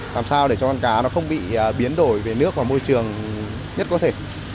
làm sao để cho con cá nó không bị biến đổi về nước và môi trường nhất có thể